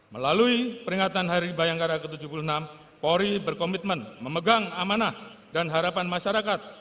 melalui peringatan hari bayangkara ke tujuh puluh enam polri berkomitmen memegang amanah dan harapan masyarakat